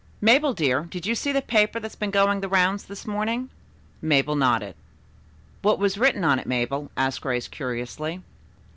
Mabel, dear, did you see that paper that has been going the rounds this morning?" Mabel nodded. "What was written on it, Mabel?" asked Grace curiously.